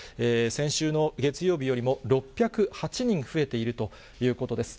先週の月曜日よりも６０８人増えているということです。